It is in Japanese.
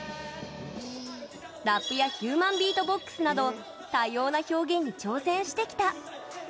ラップやヒューマンビートボックスなど多様な表現に挑戦してきた。